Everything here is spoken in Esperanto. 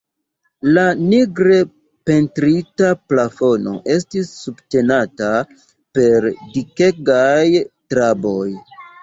La nigre pentrita plafono estis subtenata per dikegaj traboj.